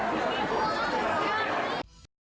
tampak kaget saat disambangi oleh presiden